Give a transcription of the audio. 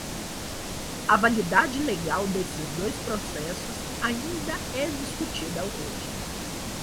A validade legal desses dois processos ainda é discutida hoje.